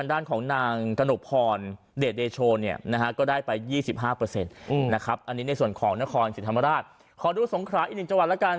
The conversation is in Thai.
อันนี้ในส่วนของนครอังกฤษฐรรมราชขอดูสงคราอีกหนึ่งจังหวัดแล้วกัน